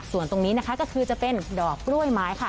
ส่วนตรงนี้นะคะก็คือจะเป็นดอกกล้วยไม้ค่ะ